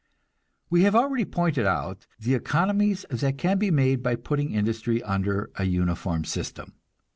We have already pointed out the economies that can be made by putting industry under a uniform system.